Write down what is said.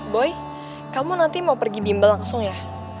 boy kamu nanti mau pergi bimbel langsung ya